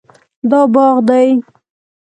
دا باغ دی